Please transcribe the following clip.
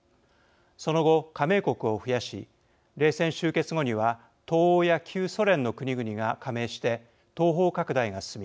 その後、加盟国を増やし冷戦終結後には東欧や旧ソ連の国々が加盟して東方拡大が進み